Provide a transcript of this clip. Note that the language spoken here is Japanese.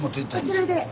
あこちらで。